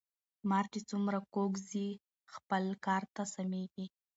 مار چی څومره کوږ ځي خپل کار ته سمیږي .